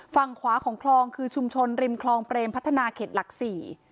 ฝั่งขวาของคลองคือชุมชนริมคลองเปรมพัฒนาเขตหลักสี่